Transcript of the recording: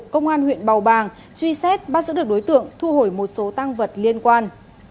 công an huyện bào bàng truy xét bắt giữ được đối tượng thu hồi một số tăng vật liên quan